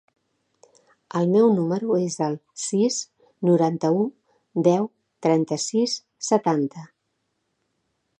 El meu número es el sis, noranta-u, deu, trenta-sis, setanta.